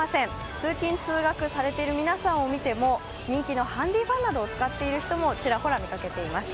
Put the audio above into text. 通勤通学されている皆さんを見ても人気のハンディーファンなどを使っている人もよく見ます。